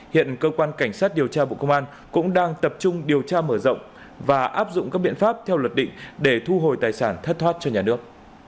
hiện cơ quan cảnh sát điều tra bộ công an cũng đang tập trung điều tra mở rộng và áp dụng các biện pháp theo luật định để thu hồi tài sản thất thoát cho nhà nước